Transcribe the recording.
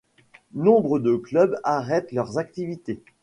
Nombre de clubs arrêtent leurs activités.